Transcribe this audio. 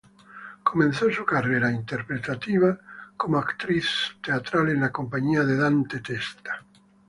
Comenzó su carrera interpretativa como actriz teatral, en la compañía de Dante Testa.